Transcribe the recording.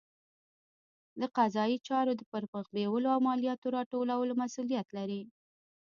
د قضایي چارو د پرمخ بیولو او مالیاتو راټولولو مسوولیت لري.